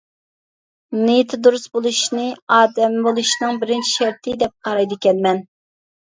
نىيىتى دۇرۇس بولۇشنى ئادەم بولۇشنىڭ بىرىنچى شەرتى دەپ قارايدىكەنمەن.